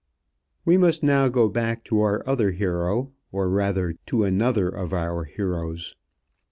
We must now go back to our other hero, or, rather, to another of our heroes.